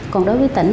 còn đối với tỉnh